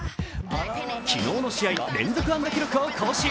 昨日の試合連続安打記録を更新。